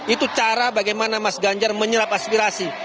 itu cara bagaimana mas ganjar menyerap aspirasi